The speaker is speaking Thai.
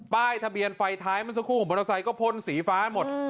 ป้ายทะเบียนไฟท้ายเมื่อสักครู่ของมอเตอร์ไซค์ก็พ่นสีฟ้าหมด